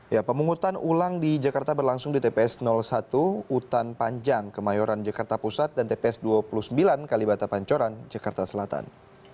ya pemungutan ulang di jakarta berlangsung di tps satu utan panjang kemayoran jakarta pusat dan tps dua puluh sembilan kalibata pancoran jakarta selatan